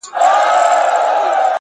د فکر ژورتیا انسان لوړوي،